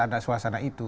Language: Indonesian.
jadi ada suasana itu